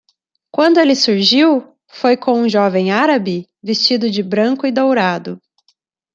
Quando ele surgiu? foi com um jovem árabe? vestido de branco e dourado.